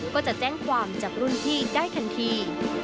ก็จะแจ้งความจับรุ่นพี่ได้ทันที